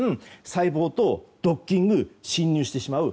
細胞とドッキング侵入してしまう。